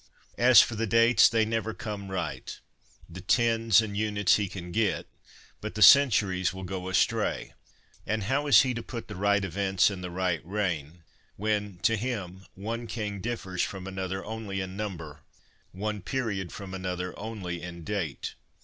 As for the dates, they never come right ; the tens and units he can get, but the centuries will go astray ; and how 280 HOME EDUCATION is he to put the right events in the right reign, when, to him, one king differs from another only in number, one period from another only in date?